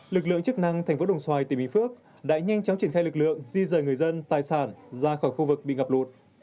lực lượng chức năng thành phố đồng xoài tỉnh bình phước đã nhanh chóng triển khai lực lượng di rời người dân tài sản ra khỏi khu vực bị ngập lụt